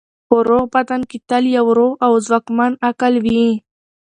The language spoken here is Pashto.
په روغ بدن کې تل یو روغ او ځواکمن عقل وي.